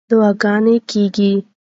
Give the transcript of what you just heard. دعاګانې کېږي.